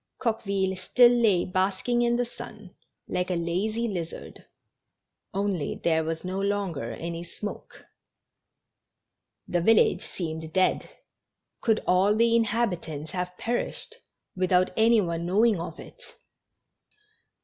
Coqueville still lay basking in the sun, like a lazy lizard, only there was no longer any smoke. The village seemed dead; could all the inhabitants have perished without any one know ing of it?